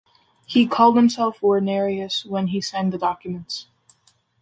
He called himself Wernerius when he signed documents.